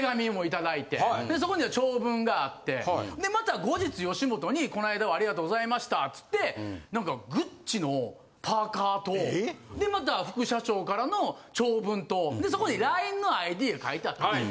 そこに長文があってでまた後日吉本にこないだはありがとうございましたっつって何かＧＵＣＣＩのパーカーとでまた副社長からの長文とそこにＬＩＮＥのＩＤが書いてあったんですよ。